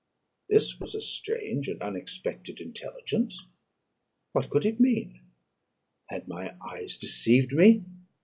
This was strange and unexpected intelligence; what could it mean? Had my eyes deceived me?